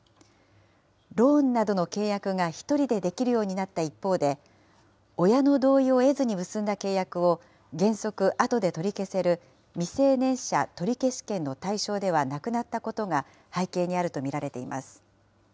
ローンなどの契約が１人でできるようになった一方で、親の同意を得ずに結んだ契約を原則、あとで取り消せる未成年者取消権の対象ではなくなったことが背景にあると見られています。